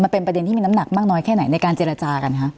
ประเด็นที่มีน้ำหนักมากน้อยแค่ไหนในการเจรจากันคะ